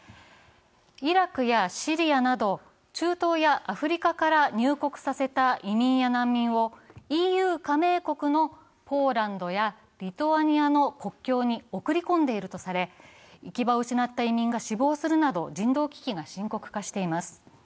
イラクやシリアなど中東やアフリカから入国させた移民や難民をＥＵ加盟国のポーランドやリトアニアの国境に送り込んでいるとされ、行き場を失った市民が死亡するなど人道危機が深刻化しています。